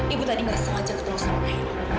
ibu tadi merasa sengaja ketawa sama aini